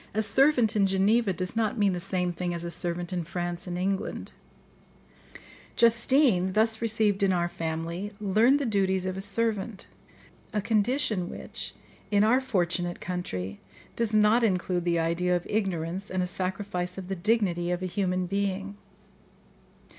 A servant in Geneva does not mean the same thing as a servant in France and England. Justine, thus received in our family, learned the duties of a servant, a condition which, in our fortunate country, does not include the idea of ignorance and a sacrifice of the dignity of a human being.